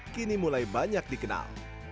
kini mulai banyak dikenal